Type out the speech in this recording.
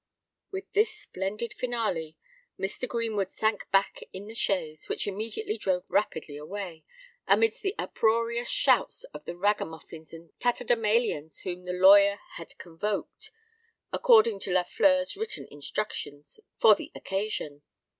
With this splendid finale, Mr. Greenwood sank back in the chaise, which immediately drove rapidly away, amidst the uproarious shouts of the ragamuffins and tatterdemalions whom the lawyer had convoked, according to Lafleur's written instructions, for the occasion.